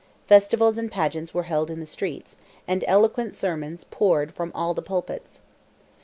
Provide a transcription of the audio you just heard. Festivals and pageants were held in the streets, and eloquent sermons poured from all the pulpits.